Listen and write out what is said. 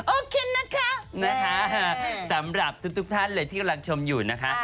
โอเคนะคะสำหรับทุกท่านเลยที่กำลังชมอยู่นะคะ